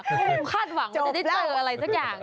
คงคาดหวังจะได้เจออะไรสักอย่าง